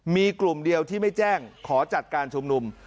มีกลุ่มเดียวที่ไม่แจ้งขอจัดการชุมนุม